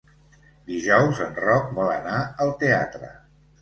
Dijous en Roc vol anar al teatre.